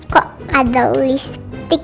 kok ada listrik